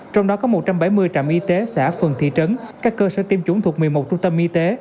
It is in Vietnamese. trong đó có một trăm bảy mươi trạm y tế xã phường thị trấn các cơ sở tiêm chủng thuộc một mươi một trung tâm y tế